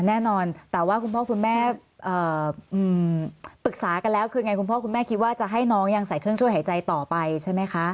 แน่นอนแต่ว่าคุณพ่อคุณแม่ปรึกษากันแล้วคือไงคุณพ่อคุณแม่คิดว่าจะให้น้องยังใส่เครื่องช่วยหายใจต่อไปใช่ไหมคะ